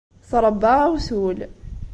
Tṛebba awtul.